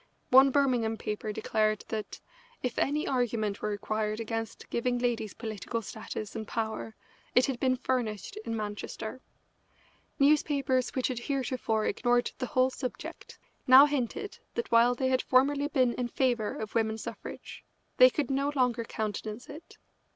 One Birmingham paper declared that "if any argument were required against giving ladies political status and power it had been furnished in Manchester." Newspapers which had heretofore ignored the whole subject now hinted that while they had formerly been in favour of women's suffrage, they could no longer countenance it.